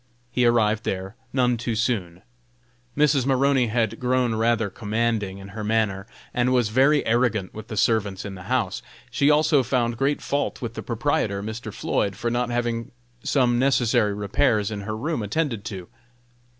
He arrived there none too soon. Mrs. Maroney had grown rather commanding in her manners, and was very arrogant with the servants in the house. She also found great fault with the proprietor, Mr. Floyd, for not having some necessary repairs in her room attended to.